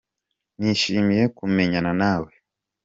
Nishimiye kumenyana nawe.